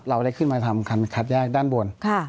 เราได้ขึ้นมาทำคันคัดแยกด้านบน